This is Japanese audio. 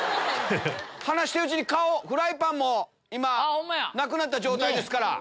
話してるうちに顔フライパンも今なくなった状態ですから。